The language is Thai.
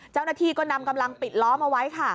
เจ้าหน้าที่ก็นำกำลังปิดล้อมเอาไว้ค่ะ